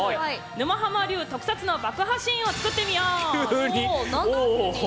「沼ハマ流特撮の爆破シーンを作ってみよう！」。